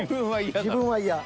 自分は嫌だ。